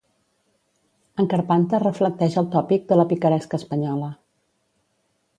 En Carpanta reflecteix el tòpic de la picaresca espanyola.